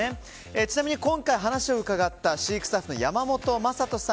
ちなみに今回話を伺った飼育スタッフの山本真人さん